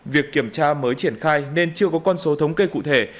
việc kiểm tra mới triển khai nên chưa có con số thống kê cụ thể